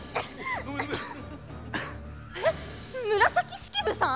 えっ紫式部さん